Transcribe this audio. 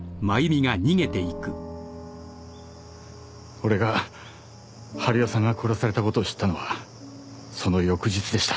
俺が治代さんが殺されたことを知ったのはその翌日でした。